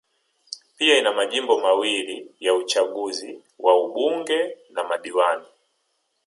Pia ina majimbo mawili ya Uchaguzi wa ubunge na madiwani